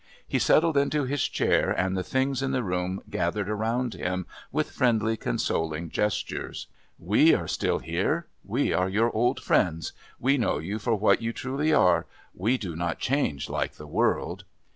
He settled into his chair and the things in the room gathered around him with friendly consoling gestures. "We are still here, we are your old friends. We know you for what you truly are. We do not change like the world."